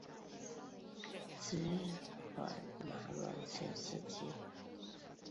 支援盲文显示机的软件被称为萤幕阅读器。